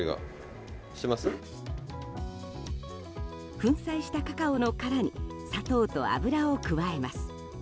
粉砕したカカオの殻に砂糖と油を加えます。